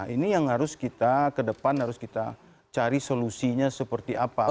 ini yang harus kita ke depan harus kita cari solusinya seperti apa